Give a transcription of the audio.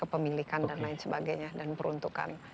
ke pemilikan dan lain sebagainya dan peruntukan